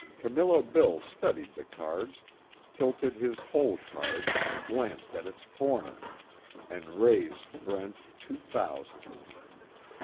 Camillo Bill studied the cards, tilted his hole card and glanced at its corner, and raised Brent two thousand.